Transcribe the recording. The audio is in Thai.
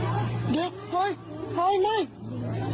เชิงชู้สาวกับผอโรงเรียนคนนี้